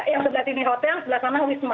yang sebelah sini hotel sebelah sana wisma